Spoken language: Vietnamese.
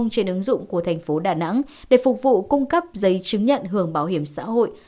trên ứng dụng của thành phố đà nẵng để phục vụ cung cấp giấy chứng nhận hưởng bảo hiểm xã hội